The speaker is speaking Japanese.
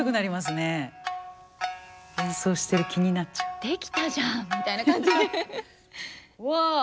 すごい！「できたじゃん」みたいな感じ。